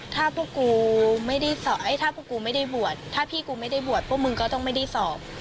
ถ้าพี่กูไม่ได้บวชพวกมึงก็ต้องไม่ได้สอบ